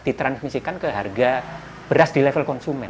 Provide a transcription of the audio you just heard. ditransmisikan ke hipnotis